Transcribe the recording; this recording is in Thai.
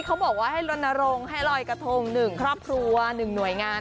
เขาบอกว่าให้ลนรงค์ให้ลอยกระทง๑ครอบครัว๑หน่วยงาน